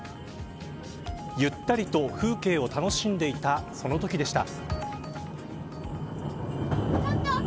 ゆったりと風景を楽しんでいたそのときでした。